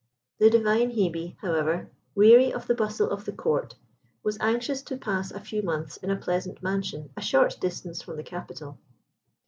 The divine Hebe, however, weary of the bustle of the Court, was anxious to pass a few months in a pleasant mansion a short distance from the capital.